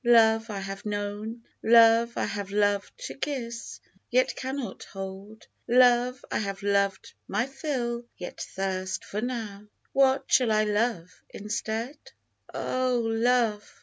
Love I have known, — Love I have loved to kiss Yet cannot hold ! Love, I have loved my fill Yet thirst for now ! What shall I love instead ? Oh, Love